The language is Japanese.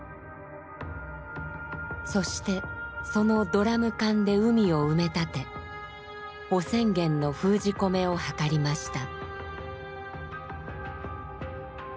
そしてそのドラム缶で海を埋め立て汚染源の封じ込めを図りました。